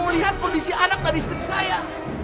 melihat kondisi anak dan istri saya